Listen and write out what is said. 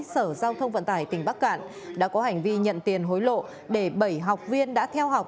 sở giao thông vận tải tỉnh bắc cạn đã có hành vi nhận tiền hối lộ để bảy học viên đã theo học